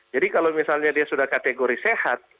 jadi kalau misalnya dia sudah kategori sehat